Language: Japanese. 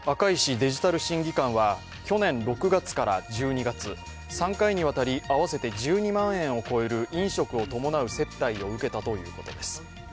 デジタル審議官は去年６月から１２月３回にわたり、合わせて１２万円を超える飲食を伴う接待を受けたということです。